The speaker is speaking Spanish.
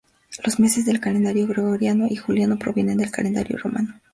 Los meses del calendario gregoriano y juliano provienen del Calendario romano.